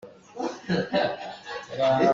Uktu bawi nih nawl tampi an chuah.